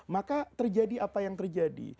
maka terjadi apa yang terjadi